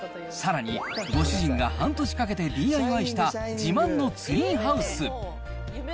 さらにご主人が半年かけてＤＩＹした自慢のツリーハウス。